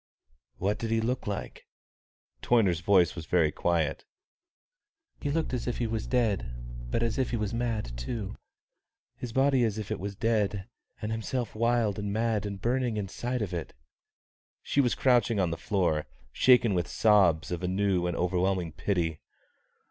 "What did he look like?" Toyner's voice was very quiet. "He looked as if he was dead, but as if he was mad too his body as if it was dead, and himself wild and mad and burning inside of it." She was crouching on the floor, shaken with the sobs of a new and overwhelming pity.